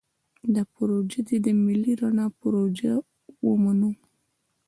دا پروژه دې د ملي رڼا پروژه ومنو.